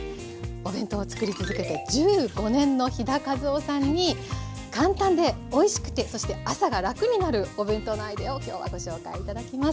お弁当をつくり続けて１５年の飛田和緒さんに簡単でおいしくてそして朝が楽になるお弁当のアイデアを今日はご紹介頂きます。